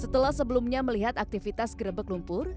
setelah sebelumnya melihat aktivitas gerebek lumpur